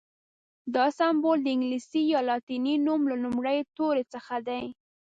دا سمبول د انګلیسي یا لاتیني نوم له لومړي توري څخه دی.